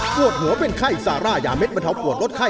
ปวดหัวเป็นไข้ซาร่ายาเด็ดบรรเทาปวดลดไข้